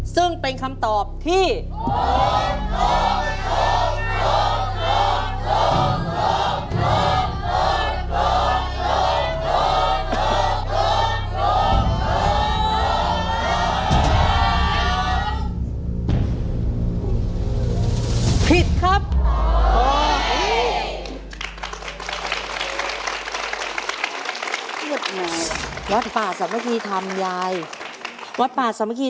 ซึ่งเป็นคำตอบที่